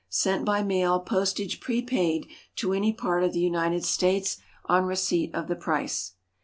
_Sent by mail, postage prepaid, to any part of the United States, on receipt of the price.